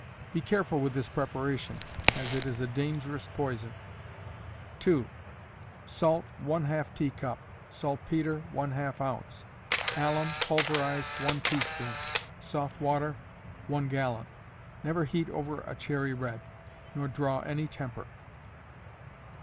Be careful with this preparation, as it is a dangerous poison. 2. Salt, ½ teacup; saltpetre, ½ oz.; alum, pulverized, 1 tea spoon; soft water, 1 gallon; never heat over a cherry red, nor draw any temper.